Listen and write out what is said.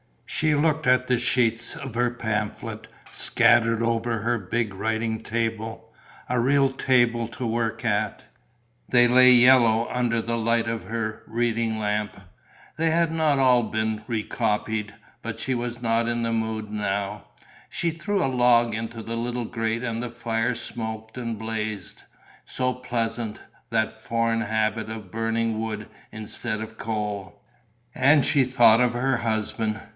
She looked at the sheets of her pamphlet, scattered over her big writing table, a real table to work at: they lay yellow under the light of her reading lamp; they had not all been recopied, but she was not in the mood now; she threw a log into the little grate and the fire smoked and blazed. So pleasant, that foreign habit of burning wood instead of coal.... And she thought of her husband.